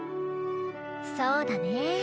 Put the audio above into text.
そうだねえ。